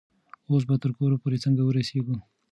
اوس به تر کوره پورې څنګه ورسیږي؟